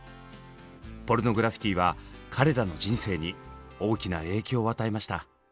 ポルグラフィティは彼らの人生に大きな影響を与えました。